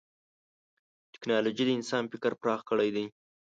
ټکنالوجي د انسان فکر پراخ کړی دی.